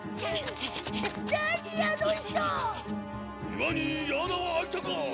岩に矢穴は開いたか？